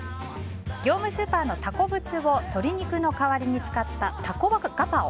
業務スーパーのたこぶつを鶏肉の代わりに使ったタコガパオ。